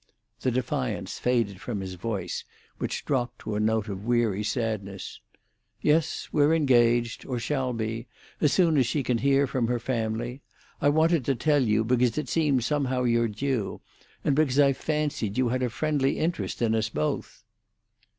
The defiance faded from his voice, which dropped to a note of weary sadness. "Yes, we're engaged—or shall be, as soon as she can hear from her family. I wanted to tell you because it seemed somehow your due, and because I fancied you had a friendly interest in us both."